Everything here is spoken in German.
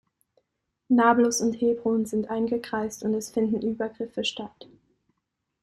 Nablus und Hebron sind eingekreist und es finden Übergriffe statt.